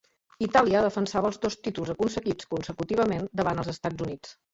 Itàlia defensava els dos títols aconseguits consecutivament davant els Estats Units.